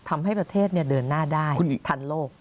ทำให้ประเทศเดินหน้าได้ทันโลก